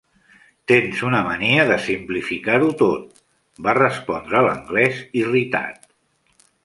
"Tens una mania de simplificar-ho tot", va respondre l'anglès, irritat.